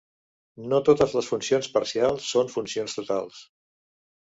No totes les funcions parcials són funcions totals.